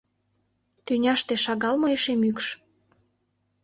Тӱняште шагал мо эше мӱкш.